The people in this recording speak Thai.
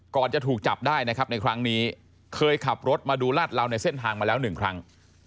จะถูกจับได้นะครับในครั้งนี้เคยขับรถมาดูลาดเหลาในเส้นทางมาแล้วหนึ่งครั้ง